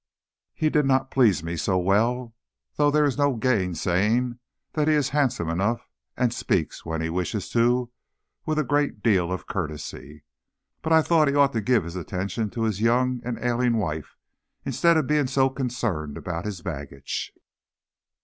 He did not please me so well, though there is no gainsaying that he is handsome enough, and speaks, when he wishes to, with a great deal of courtesy. But I thought he ought to give his attention to his young and ailing wife, instead of being so concerned about his baggage.